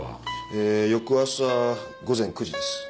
えー翌朝午前９時です。